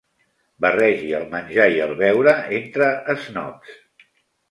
Barregi el menjar i el beure entre esnobs.